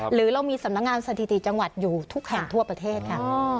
หรือเรามีสำนักงานสถิติจังหวัดอยู่ทุกแห่งทั่วประเทศค่ะ